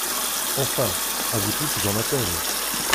Enfin, à vous tous j’en appelle !